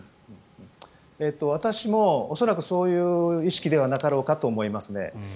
私も恐らくそういう意識ではなかろうかと思いますね。